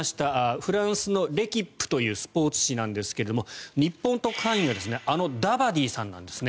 フランスのレキップというスポーツ紙なんですが日本特派員があのダバディさんなんですね。